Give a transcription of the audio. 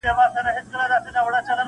• وئیل یې یو عذاب د انتظار په نوم یادېږي -